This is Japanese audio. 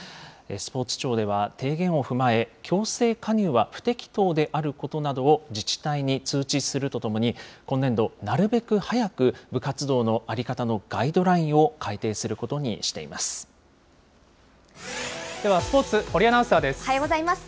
スポーツ庁では提言を踏まえ、強制加入は不適当であることなどを自治体に通知するとともに、今年度、なるべく早く部活動の在り方のガイドラインを改定することにではスポーツ、おはようございます。